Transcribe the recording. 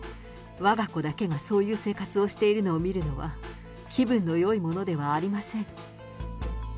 わが子だけがそういう生活をしているのを見るのは、気分のよいものではありません。